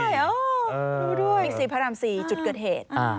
รู้ด้วยบิ๊กซีพระราม๔จุดเกิดเหตุ